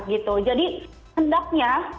gitu jadi hendaknya